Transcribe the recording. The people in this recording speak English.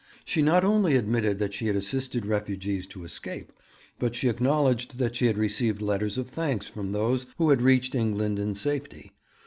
She not only admitted that she had assisted refugees to escape, but she acknowledged that she had received letters of thanks from those who had reached England in safety.